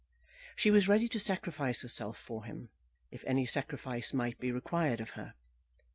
She was ready to sacrifice herself for him, if any sacrifice might be required of her.